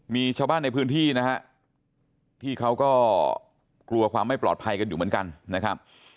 มีชาวบ้านในพื้นที่นะฮะที่เขาก็กลัวความไม่ปลอดภัยกันอยู่เหมือนกันนะครับ